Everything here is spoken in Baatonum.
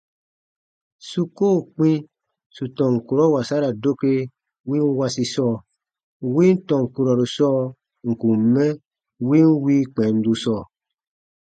Su koo kpĩ sù tɔn kurɔ wasara doke win wasi sɔɔ, win tɔn kurɔru sɔɔ ǹ kun mɛ win wii kpɛndu sɔɔ.